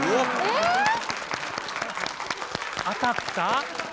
当たった？